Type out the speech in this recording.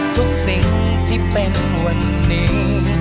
ทุกสิ่งที่เป็นวันนี้